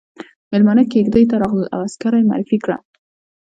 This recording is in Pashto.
ميلمانه کېږدۍ ته راغلل او عسکره يې معرفي کړه.